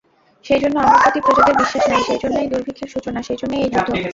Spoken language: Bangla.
সেইজন্য আমার প্রতি প্রজাদের বিশ্বাস নাই, সেইজন্যই দুর্ভিক্ষের সূচনা, সেইজন্যই এই যুদ্ধ।